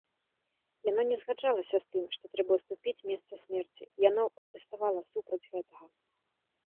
Яно не згаджалася з тым, што трэба ўступіць месца смерці, яно пратэставала супроць гэтага.